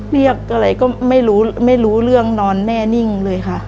เรียกอะไรก็ไม่รู้ไม่รู้เรื่องนอนแน่นิ่งเลยค่ะ